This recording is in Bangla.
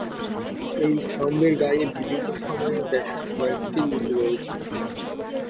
এই স্তম্ভের গায়ে বিভিন্ন সময়ের বেশ কয়েকটি লিপি রয়েছে।